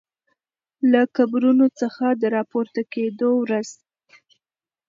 له قبرونو څخه د راپورته کیدو ورځ